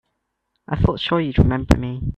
I thought sure you'd remember me.